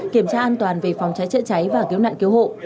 kiểm tra an toàn về phòng cháy chữa cháy và cứu nạn cứu hộ